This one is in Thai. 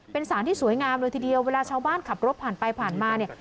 เป็นสารที่สวยงามเลยทีเดียวเวลาชาวบ้านขับรถผ่านไปผ่านมาเนี่ย